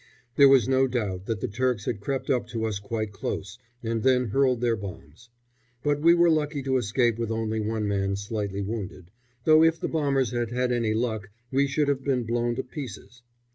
There was no doubt that the Turks had crept up to us quite close and then hurled their bombs; but we were lucky to escape with only one man slightly wounded, though if the bombers had had any luck we should have been blown to pieces.